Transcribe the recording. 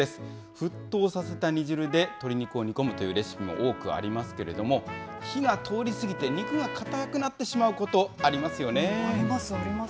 沸騰させた煮汁で鶏肉を煮込むというレシピも多くありますけれども、火が通りすぎて肉が硬くなってしまうこと、ありますよね。